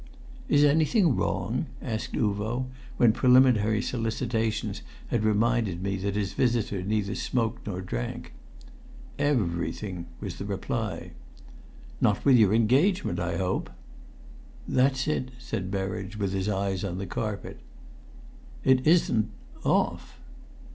"Is anything wrong?" asked Uvo, when preliminary solicitations had reminded me that his visitor neither smoked nor drank. "Everything!" was the reply. "Not with your engagement, I hope?" "That's it," said Berridge, with his eyes on the carpet. "It isn't off?"